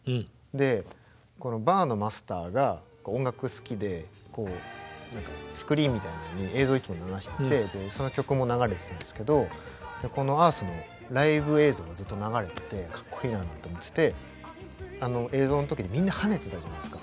このバーのマスターが音楽好きでスクリーンみたいなのに映像をいつも流しててその曲も流れてたんですけどこのＥａｒｔｈのライブ映像がずっと流れててかっこいいななんて思っててあの映像の時にみんな跳ねてたじゃないですか。